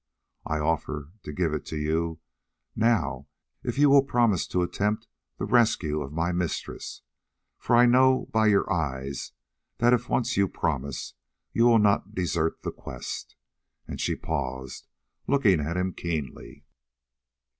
I offer to give it to you now if you will promise to attempt the rescue of my mistress, for I know by your eyes that if once you promise you will not desert the quest;" and she paused, looking at him keenly.